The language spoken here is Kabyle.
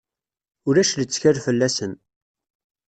Ulac lettkal fell-asen.